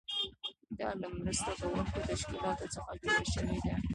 دا له مرسته کوونکو تشکیلاتو څخه جوړه شوې ده.